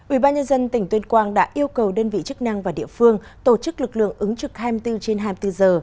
ubnd tỉnh tuyên quang đã yêu cầu đơn vị chức năng và địa phương tổ chức lực lượng ứng trực hai mươi bốn trên hai mươi bốn giờ